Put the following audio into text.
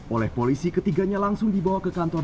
oleh polisi ketiganya langsung dibawa ke kantor